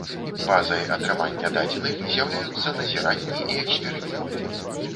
Базай атрымання дадзеных з'яўляюцца назіранні і эксперыменты.